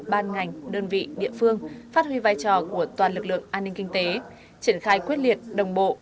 ban ngành đơn vị địa phương phát huy vai trò của toàn lực lượng an ninh kinh tế triển khai quyết liệt đồng bộ